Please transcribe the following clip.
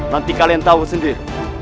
nanti kalian tahu sendiri